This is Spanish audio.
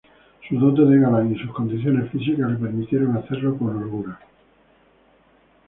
Sus dotes de galán y sus condiciones físicas le permitieron hacerlo con holgura.